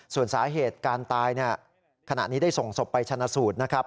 ส่วนสาเหตุการตายขณะนี้ได้ส่งศพไปชนะสูตรนะครับ